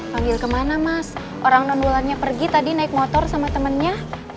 panggil kemana mas orang non ularnya pergi tadi naik motor sama temennya